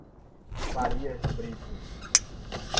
Farias Brito